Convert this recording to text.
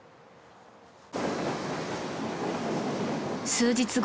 ［数日後］